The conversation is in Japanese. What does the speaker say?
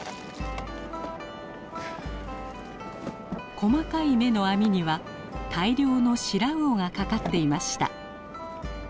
細かい目の網には大漁のシラウオが掛かっていました。